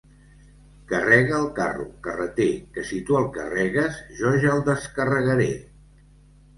Carrega el carro, carreter, que si tu el carregues, jo ja el descarregaré.